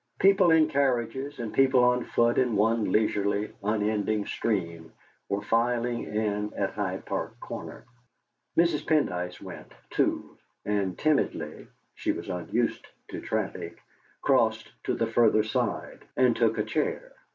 People in carriages and people on foot in one leisurely, unending stream were filing in at Hyde Park Corner. Mrs. Pendyce went, too, and timidly she was unused to traffic crossed to the further side and took a chair.